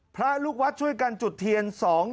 พระลูกวัดช่วยกันจุดเทียน